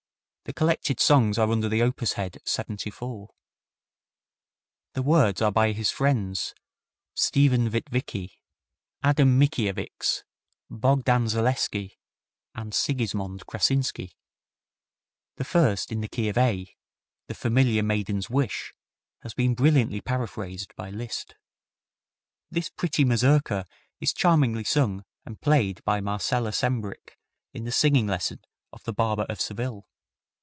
The collected songs are under the opus head 74. The words are by his friends, Stephen Witwicki, Adam Mickiewicz, Bogdan Zaleski and Sigismond Krasinski. The first in the key of A, the familiar Maiden's Wish, has been brilliantly paraphrased by Liszt. This pretty mazurka is charmingly sung and played by Marcella Sembrich in the singing lesson of "The Barber of Seville."